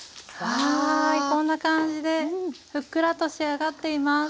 はいこんな感じでふっくらと仕上がっています。